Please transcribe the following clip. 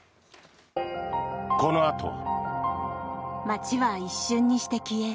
このあとは。